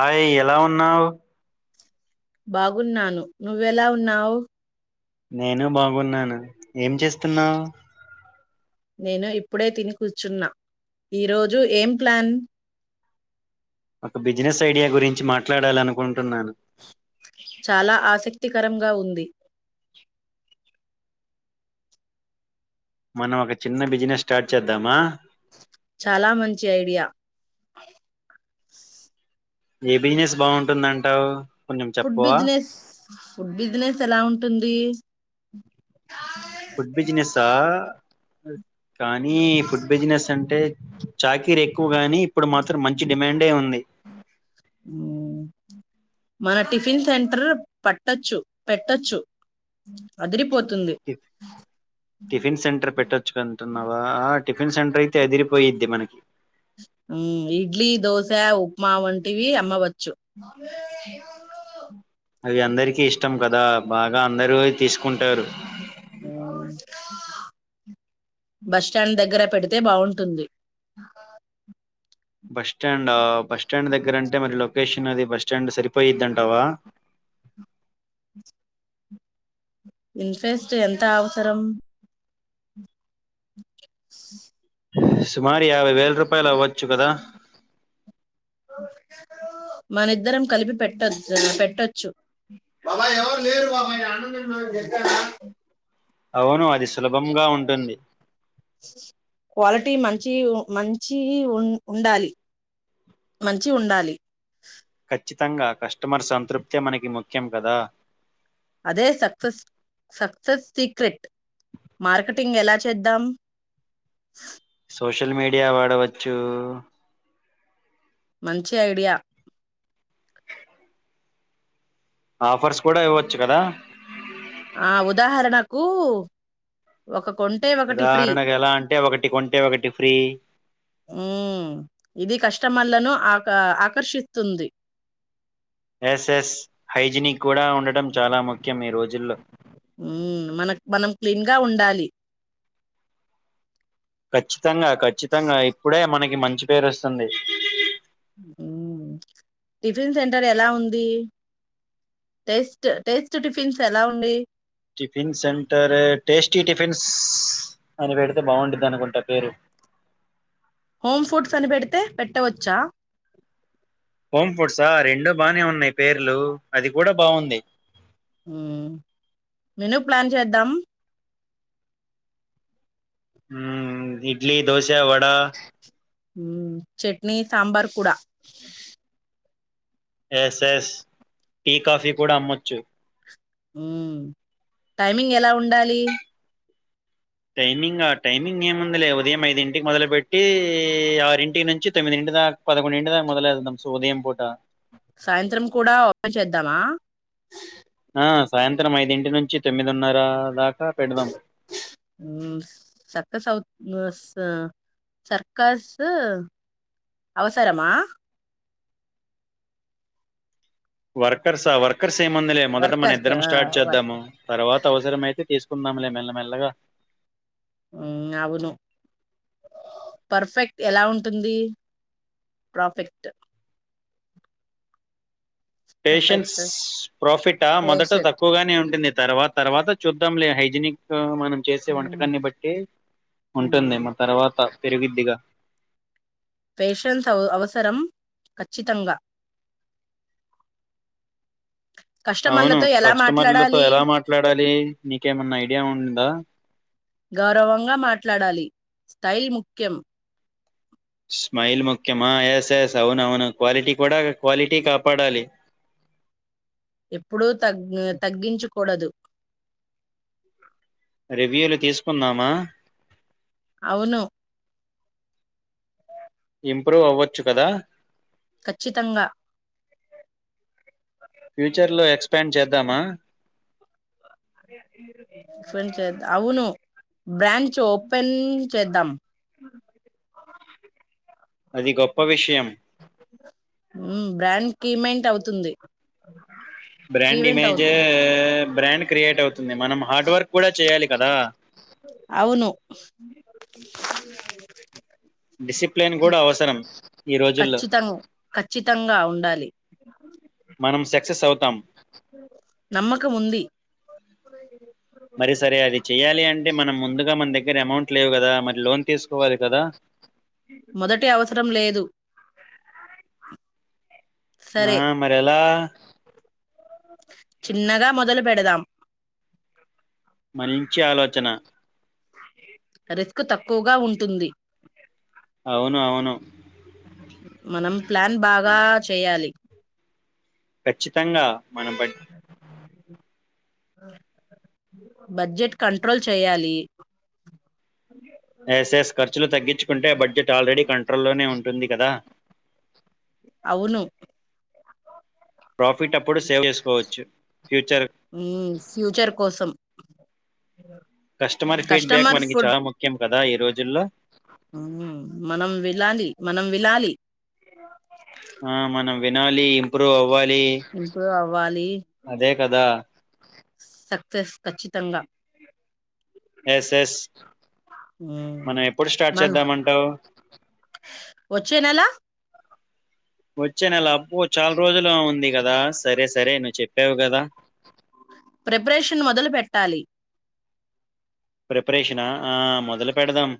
ఆయ్ ఎలా ఉన్నావ్ బాగున్నాను నువ్వెలా ఉన్నావు నేను బాగున్నాను ఏం చేస్తున్నావ్ ప్పుడే తిని కూర్చున్నా ఈరోజు ఏం ప్లాన్ ఒక బిజినెస్ ఐడియా గురించి మాట్లాడాలనుకుంటున్నాను చాలా ఆసక్తికరంగా ఉంది మనం ఒక చిన్న బిజినెస్ స్టార్ట్ చేద్దామా చాలా మంచి ఐడియా ఏ బిజినెస్ బాగుంటుందంటావు కొంచెం ఫుడ్ చెప్పవా దునెస్ ఫుడ్ బిజినెస్ ఎలా ఉంటుంది ఫుడ్ బిజినెస్సా కానీ ఫుడ్ బిజినెస్ అంటే చాకిరి ఎక్కువ గాని ఇప్పుడు మాత్రం మంచి డిమాండే ఉంది మన టిఫిన్ సెంటర్ పట్టచ్చు పెట్టొచ్చు అదిరిపో టి టిఫిన్ సెంటర్ పెట్టొచ్చుకంటున్నావా ఆ టిఫిన్ సెంటర్ అయితే అదిరిపోయిద్ది మనకి మ్మ్, ఇడ్లీ దోశ ఉప్మా వం టివి అమ్మ వచ్చు అవి అందరికీ ఇష్టం కదా బాగా అందరూ తీసుకుంటారు బస్టాండ్ దగ్గర పెడితే బావుంటుంది బస్టాండా బస్టాండ్ దగ్గర అంటే మరి లొకేషన్ అది బస్టాండ్ సరిపోయిద్ది అంటావా ఇన్ఫెస్ట్ ఎంత అవసరం సుమారు యాభై వేల్ రుపాయలు అవ్వచ్చు కదా మన ఇద్దరం కలిపి పెట్టొచ్చ పెట్టొచ్చు అవును అది సులభంగా ఉంటుంది క్వాలిటీ మంచి మంచి ఉం-ఉండాలి మంచి ఉండాలి ఖచ్చితంగా కస్టమర్ సంతృప్తే మనకి ముఖ్యం కదా అదే సక్సెస్ సక్సెస్ సీక్రెట్ మార్కెటింగ్ ఎలా చేద్దాం సోషల్ మీడియా వాడవచ్చూ మంచి ఐడియా ఆఫర్స్ కూడా ఇవ్వచ్చు కదా ఆ ఉదాహరణకు ఒక కొంటే ఒకటి ఫ్రీ ఉదాహరణకు ఎలా అంటే ఒకటి కొంటే ఒకటి ఫ్రీ ఆ ఇది కస్టమర్లను ఆకా ఆకర్షిస్తుంది ఎస్ ఎస్ హైజినిక్ కూడా ఉండటం చాలా ముఖ్యం ఈ రోజుల్లో మ్మ్. మన మనం క్లీన్ గా ఉండాలి ఖచ్చితంగా ఖచ్చితంగా ఇప్పుడే మనకి మంచి పేరు వస్తుంది మ్ టిఫిన్ సెంటర్ ఎలా ఉంది టేస్ట్ టేస్ట్ టిఫిన్స్ ఎలా ఉంది టిఫిన్ సెంటర్ టేస్టీ టిఫిన్స్ అని పెడితే బాగుంటది అనుకుంటా పేరు హోమ్ ఫుడ్స్ అనిపెడితే పెట్టవచ్చా హోమ్ ఫుడ్సా రెండు బానే ఉన్నాయి పేర్లు అది కూడా బాగుంది మ్ మెను ప్లాన్ చేద్దాం మ్ ఇడ్లీ దోశ వడ మ్ చట్నీ సాంబార్ కూడ ఎస్ ఎస్ టీ కాఫీ కూడా అమ్మొచ్చు మ్ టైమింగ్ ఎలా ఉండాలి టైమింగా టైమింగ్ ఏముందిలే, ఉదయం ఐదింటికి మొదలు పెట్టి ఆరింటికి నుంచి, తొమ్మిదింటి దాకా పదకొండి ఇంటి దాకా మొదలేద్దాం సో ఉదయం పూట. సాయంత్రం కూడా ఓపెన్ చేద్దామా ఆ సాయంత్రం ఐదింటి నుంచి తొమ్మిదిన్న ర దా హు సక్ స్ అవుత్ స్ సర్కస్ సు అవసరమా వర్కర్స్ ఆ వర్కర్స్ స్ ఏం ముంది లే మొదట మన వర్కర్స్ ఇద్దరం ఆ, స్టార్ట్ వర్క్ చేద్దాము, తర్వాత అవసరం అయితే తీస్. కున్నాం లే మెల్ల మెల్లగా హు అవును పర్ఫెక్ట్ ఎలా ఉంటుంది పర్ఫెక్ట్ పేషెన్స్ పర్ఫెక్ట్ ప్రాఫిటా మొదట పేషెంట్ తక్కువగానే ఉంటుంది తర్వా త తర్వాత చూద్దాం లే హైజనిక్ మన చేసే వంటకాన్ని బట్టి ఉంటుందేమో తర్వాత పెరిగిద్దిగా పేషన్స్ అవసరం ఖచ్చితంగా అవును కస్టమర్లతో ఎలా కస్టమర్లతో మాట్లాడాలి ఎలా మాట్లాడాలి నీకేమన్నా ఐడియా ఉందా? గౌరవంగా మాట్లాడాలి స్టైల్ ముఖ్యం. స్మైల్ ముఖ్యమా ఎస్ ఎస్ అవునవును క్వాలిటీ కూడా క్వాలిటీ కాపాడాలి. ఎప్పుడూ తగ్ తగ్గించకూడదు రివ్యూలు తీసుకుందామా అవును ఇంప్రూవ్ అవ్వొచ్చు కదా ఖచ్చితంగా ఫ్యూచర్ లో ఎక్స్పాండ్ చేద్దామా అవును బ్రాంచ్ ఓపెన్ చేద్దాం అది గొప్ప విషయం కిమెంట్ అవుతుంది బ్రాండ్ కీవెంట్ ఇమేజు అవుతుంది బ్రాండ్ క్రియేట్ అవుతుంది మనం హార్డ్ వర్క్ కూడా చేయాలి కదా అవును డిసిప్లిన్ కూడా అవసరం ఈ రోజుల్లో ఖచ్చితం ఖచ్చితంగా ఉండాలి మనం సక్సెస్ అవుతాం నమ్మకం ఉంది [unintelligible] మరి సరే అది చెయ్యాలి అంటే మనం ముందుగా మన దగ్గర అమౌంట్ లేవు కదా మరి లోన్ తీసుకోవాలి కదా మొదటి అవసరం లేదు ఆ సరే మరి ఎలా చిన్నగా మొదలు పెడదాం మంచి ఆలోచన రిస్క్ తక్కువగా ఉంటుంది అవును అవును మనం ప్లాన్ బాగా చెయ్యాలి ఖచ్చితంగా మనం పట్ బడ్జెట్ కంట్రోల్ చెయ్యాలి ఎస్ఎస్ ఖర్చులు తగ్గించుకుంటే బడ్జెట్ ఆల్రెడీ కంట్రోల్లోనే ఉంటుంది కదా అవును ప్రాఫిట్ అప్పుడు సేవ్ చేసుకోవచ్చు ఫ్యూచర్ ఫ్యూచర్ కోసం కస్టమర్ ఫీడ్బ్యాక్ కస్టమర్ మనకి చాలా ముఖ్యం కద కదా ఈ రోజుల్లో హ్మ్ మనం విలాలి మనం విలాలి ఆ మనం వినాలి ఇంప్రూవ్ అవ్వాలి ఇంప్రూవ్ అవ్వాలి అదే కదా సక్సెస్ ఖచ్చితంగా ఎస్ ఎస్ మనం ఎప్పుడు స్టార్ట్ మన చేద్దామంటావ్ వచ్చే నెల వచ్చే నెల అబ్బో చాల రోజులు ఉంది కదా సరే సరే నువ్వు చెప్పావు కదా ప్రిపరేషన్ మొదలు పెట్టాలి ప్రిపరేషనా ఆ ఆ మొదలు పెడదాం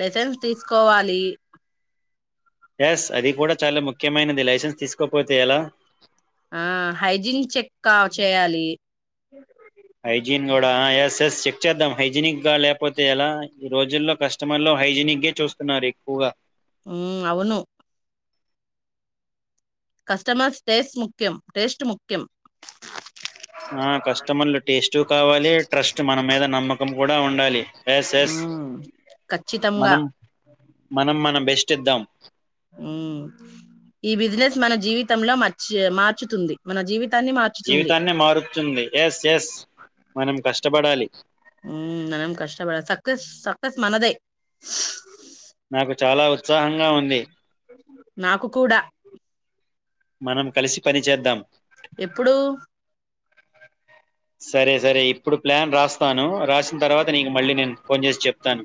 లైసెన్స్ తీసుకోవాలి యస్ అది కూడా చాలా ముఖ్యమైనది లైసెన్స్ తీసుకోపోతే ఎలా ఆ హైజీన్ చెక్క చేయాలి హైజీన్ కూడా ఆ ఎస్ ఎస్ చెక్ చేద్దాం హైజనిక్ గా లేకపోతే ఎలా, ఈ రోజుల్లో కస్టమర్ లో హైజీనిక్ ఏ చూస్తున్నారు ఎక్కువగా. ఉమ్ అవును కస్టమర్స్ టేస్ ముఖ్యం టేస్ట్ ముఖ్యం ఆ కష్టమర్లు టేస్ట్ ట్రూ కావాలి ట్రస్ట్ మన మీద నమ్మ నమ్మకం కూడా ఉండాలి ఎస్ ఎస్ హుమ్ ఖచ్చితంగా మనం మనం మన బెస్ట్ ఇద్దాం హు ఈ బిజినెస్ మన జీవితంలో మచ్ మార్చుతుంది మన జీవిత్ జీవితాన్నే మారుతుుంది ఎస్ ఎస్ మనం కష్టపడాలి మ్మ్ మనం కష్ట బేడ సక్కస్ సక్కస్ మనదే నాకు చాలా ఉత్సాహంగా ఉంది నాకు కూడా మనం కలిసి పని చేేద్దాం ఎప్పుడు సరే సరే ఇప్పుడు ప్లాన్ రాస్తాను రాసి దర్వాత్ త్ నీకు మళ్ళీ నేను ఫోన్ చేసి చెప్తాను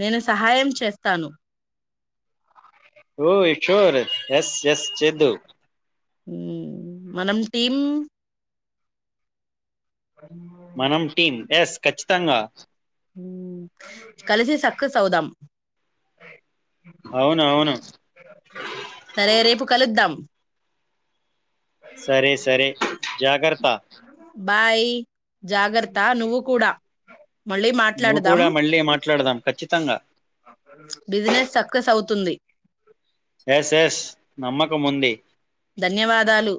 నేను సహాయం చేస్తాను ఓయ్ చూర్ ఎస్ ఎస్ చేద్దు మ్మ్ మనం టీమ్ మనం టీమ్ ఎస్ ఖచ్చితంగా క్కస్ అవుదాం అవును అవును సరే రేపు కలుద్దాం సరే సరే జాగర్త జాగరత నువ్వు కూడా మళ్ళీ నువ్వు మాట్లాడదాం కూడా మళ్ళీ మాట్లాడదాం ఖచ్చితంగా బిజినెస్ సక్సెస్ అవుతుంది ఎస్ ఎస్ నమ్మకం ఉంది ధన్యవాదాలు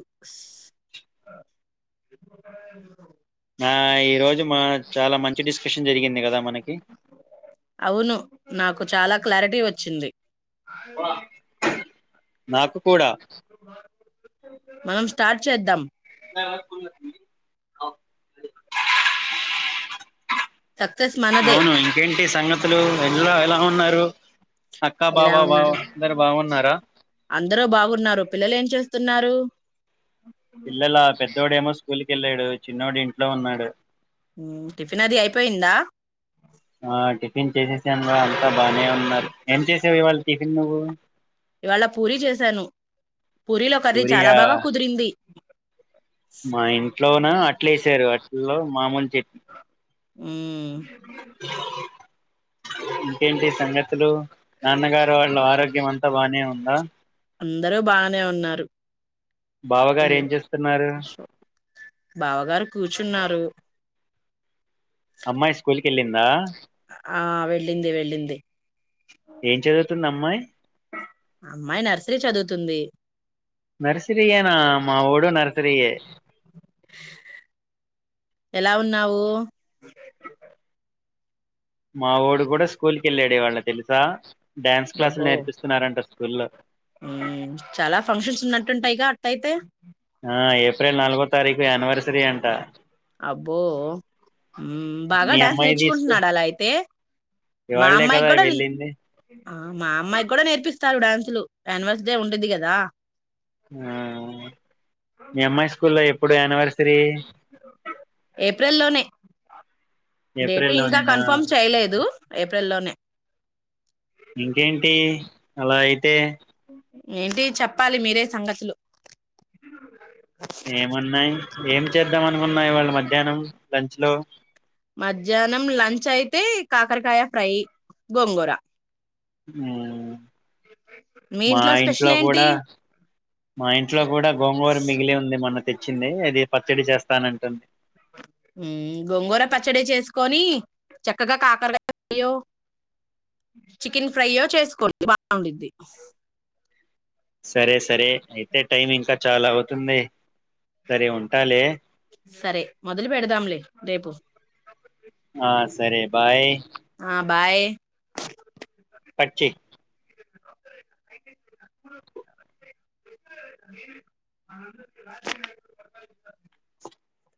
ఆ ఈ రోజు మా చాలా మంచి డిస్ స్కషన్ జరిగింది కదా మనకి అవును నాకు [unintelligible] చాలా క్లారిటీ వచ్చింది నాకు కూడా మనం స్టార్ట్ చేద్దాం ఆ [unintelligible] సక్సెస్ మనదే అవును ఇంకేంటి సంగత్ అస్సలు ఎండలో ఎలా ఉన్నారు అక్క ఎలా బావ బావ ఉన్నారు అందరు బాగున్నారా అందరు బాగున్నారు పిల్లలు ఏం చేస్తున్నారు పిల్లల పెద్దోడేమో స్కూల్ కి కెళ్ళాడు చిన్నోడు ఇంట్లో ఉన్నాడు మ్మ్ టిఫిన్ అది అయిపోయిందా నేను చేసాను ఆల్రె త బానే ఉన్నారు ఏం చేస్ ఇవ్ ఇవాళ టిఫిన్ నువ్వు ఇవాళ పూరీ చేశాను పూరీలో కర్రీ చాలా పూరియా బాగా కుదిరింది మా ఇంట్లోన అట్లు ఏసారు అట్ లో మామూలు చట్ ఉ ఇంకేంటి సంగతులు నాన్నగారు వాళ్ళ ఆరోగ్యం అంతా బానే ఉన్ దా అందరూ బాగనే ఉన్నారు బావగారు ఏం చేస్తున్నారు బావగారు కూర్చున్నారు అమ్మాయి స్కూల్ కి వెళ్ళిందా ఆ వెళ్ళింది వెళ్ళింది ఏం చదుత్ తున్ అమ్మాయి అమ్మాయి నర్సరీ చదువుతుంది నర్సరియేనా మావోడు నర్సరియే ఎలా ఉన్నావు మా వోడు కూడా స్కూల్కి ఎళ్ళాడు ఇవాళ్ళ తెలుసా డ్యాన్స్ క్లాసులు అబ్బో నేర్పిస్తున్నారంట స్కూల్లో ఉ చాలా ఫంక్షన్స్ ఉన్నట్టుంటాయి గా అట్ట అయితే ఆ ఏప్రిల్ నాలుగో తారీఖు యానివర్సరీ అంట అబ్బో ఉ బాగా మీ డ్యాన్స్ అమ్మాయి తీసుకు నేర్చుకుంటున్నాడా అలా అయితే మా ఇవాళ్లే అమ్మాయి కదా కూడా విల్ వెళ్ళింది ఆ మా అమ్మాయికి కూడా నేర్పిస్తారు డాన్స్ తులు యానివర్స్ డే ఉండిది కదా ఆ ఉ మీ అమ్మాయి స్కూల్లో ఎప్పుడు యానివర్సరీ ఏ డేటు ఏప్రిల్ ఇంకా లోనేనా కన్ఫామ్ చేయలేదు ఏప్రిల్ లోనే ఇంకేంటి అలా అయితే ఏంటి చెప్పాలి మీరే సంగతులు ఏం ఉన్నాయి ఏం చేద్దాం అనుకున్నా ఇవాళ మధ్యాహ్నం లంచ్ లో మధ్యాహ్నం లంచ్ అయితే కాకరకాయ ఫ్రై గోంగూర మ్మ్ మీ మా స్పెషల్ ఇంట్లో ఏంటి కూడా మా ఇంట్లో కూడా గోంగూర మిగిలి ఉంది మనకు తెచ్చింది అది పచ్చడి చేస్తాన్ అంటుంది మ్మ్ గోంగూర పచ్చడి చేసుకొని చక్కగా కాకరగాయో చికెన్ ఫ్రైయో చేసుకోడి బాగుండిద్ది సరే సరే అయితే టైం ఇంకా చాలా అవుతుంది సరే ఉంటాలే సరే మొదలు పెడదాంలే రేపు ఆ సరే బాయ్ ఆ బాయ్ కట్ చెయ్